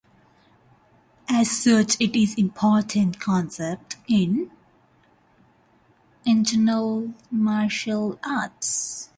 As such it is an important concept in the internal martial arts.